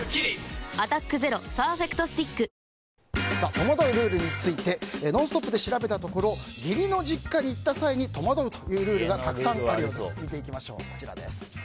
戸惑うルールについて「ノンストップ！」で調べたところ義理の実家に行った際に戸惑うルールというルールがたくさんあるようです。